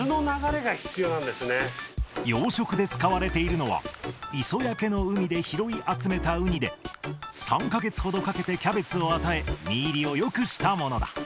養殖で使われているのは、磯焼けの海で拾い集めたウニで、３か月ほどかけてキャベツを与え、実入りをよくしたものだ。